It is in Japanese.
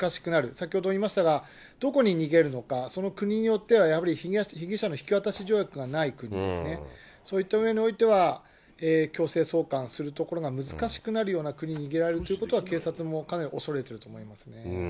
先ほども言いましたが、どこに逃げるのか、その国によっては、やはり被疑者の引き渡し条約がない国ですね、そういったうえにおいては、強制送還するところが難しくなるような国に逃げられるということは、警察もかなり恐れていると思いますね。